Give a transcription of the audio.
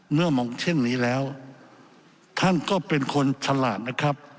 เมื่อมองเช่นนี้แล้วท่านก็เป็นคนฉลาดนะครับ